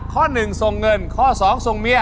ข้อ๑ส่งเงินข้อ๒ส่งเมีย